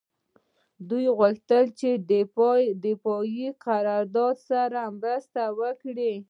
دوی غوښتل چې د دفاعي قراردادي سره مرسته وکړي